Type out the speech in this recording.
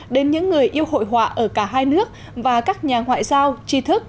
đến những người yêu hội họa ở cả hai nước và các nhà ngoại giao tri thức